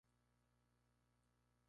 Columna fuerte y visible.